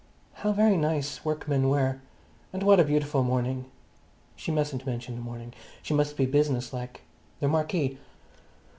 How very nice workmen were! And what a beautiful morning! She mustn't mention the morning; she must be business like. The marquee.